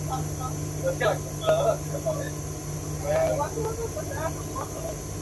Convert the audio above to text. Trabajará para ellos si la agencia le puede ayudar a localizar al Padre Vittorio.